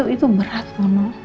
itu berat loh noh